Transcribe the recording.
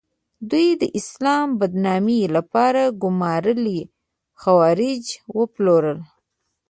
دوی د اسلام د بدنامۍ لپاره ګومارلي خوارج وپلورل.